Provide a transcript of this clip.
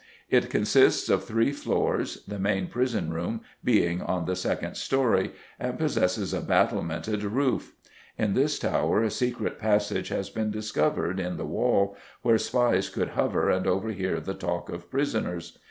It consists of three floors, the main prison room being on the second storey, and possesses a battlemented roof. In this tower a secret passage has been discovered, in the wall, where spies could hover and overhear the talk of prisoners.